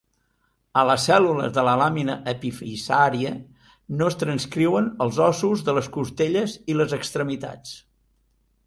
A les cèl·lules de la làmina epifisaria no es transcriuen els ossos de les costelles i les extremitats.